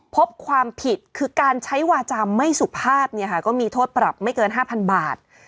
พบความผิดคือการใช้วาจาไม่สุภาพเนี่ยค่ะก็มีโทษปรับไม่เกิน๕๐๐บาท